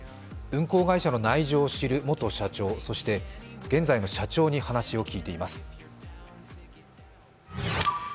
運航会社の内情を知る元社長、そして現在の社長に話を聞いています。